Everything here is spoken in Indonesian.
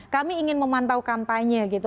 kami ingin memantau kampanye gitu